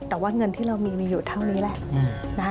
แต่ว่าเงินที่เรามีมีอยู่เท่านี้แหละนะคะ